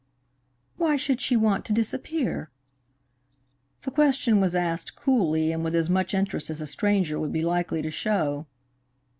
"Why should she want to disappear?" The question was asked coolly and with as much interest as a stranger would be likely to show.